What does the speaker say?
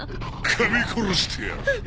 かみ殺してやる！